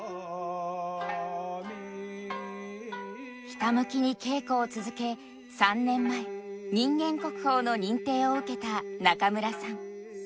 ひたむきに稽古を続け３年前人間国宝の認定を受けた中村さん。